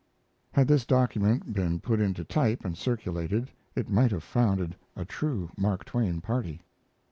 Had this document been put into type and circulated it might have founded a true Mark Twain party.